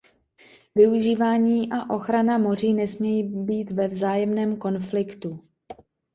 Využívání a ochrana moří nesmějí být ve vzájemném konfliktu.